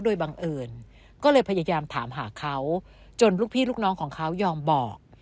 โดยบังเอิญก็เลยพยายามถามหาเขาจนลูกพี่ลูกน้องของเขายอมบอก